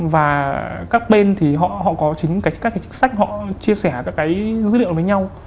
và các bên thì họ có chính các cái chính sách họ chia sẻ các cái dữ liệu với nhau